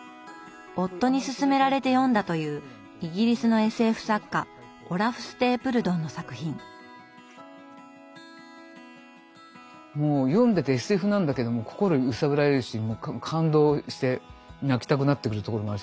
夫にすすめられて読んだというイギリスのもう読んでてＳＦなんだけども心揺さぶられるし感動して泣きたくなってくるところもあるし